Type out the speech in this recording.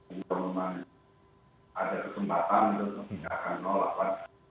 di perumahan ada kesempatan untuk membiarkan nol apa